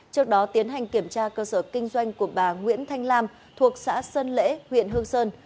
trước đó tiến hành kiểm tra cơ sở kinh doanh của bà nguyễn thanh lam thuộc xã sơn lễ huyện hương sơn